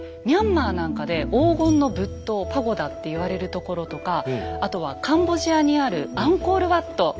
ミャンマーなんかで黄金の仏塔パゴダって言われるところとかあとはカンボジアにあるアンコールワット。